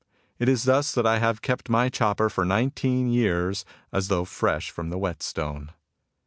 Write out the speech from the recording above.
It is thus that I have kept my chopper for nineteen years as though fresh from the whetstone.